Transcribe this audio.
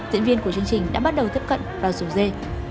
diễn viên của chương trình đã bắt đầu tiếp cận vào rủ dê